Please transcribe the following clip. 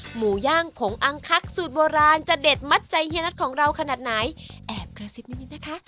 หมูย่างผงอังคักสูตรโบราณจะเด็ดมัดใจเฮียนัทของเราขนาดไหนแอบกระซิบนิดนะคะ